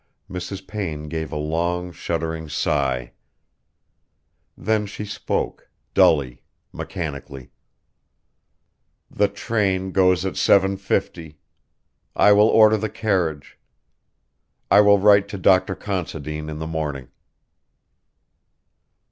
Mrs. Payne gave a long shuddering sigh. Then she spoke, dully, mechanically: "The train goes at seven fifty. I will order the carriage. I will write to Dr. Considine in the morning."